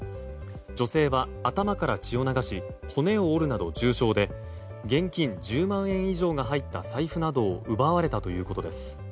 女性は、頭から血を流し骨を折るなど重傷で現金１０万円以上が入った財布などを奪われたということです。